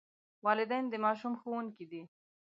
والدین د ماشوم ښوونکي دي.